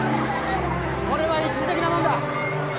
これは一時的なものだ。